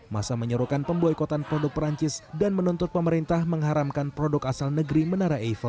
masa menyuruhkan pemboikotan produk perancis dan menuntut pemerintah mengharamkan produk asal negeri menara eifel